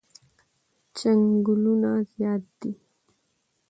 چنگلونه زیاد دی